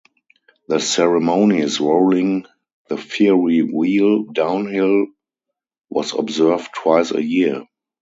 The ceremony of rolling the fiery wheel downhill was observed twice a year.